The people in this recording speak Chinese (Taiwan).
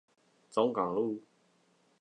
中港路